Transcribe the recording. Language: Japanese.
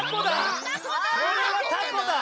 これはタコだ！